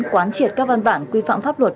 quán triệt các văn bản quy phạm pháp luật